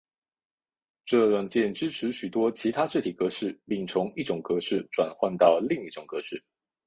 这软件支持许多其他字体格式并从一种格式转换到另一种格式。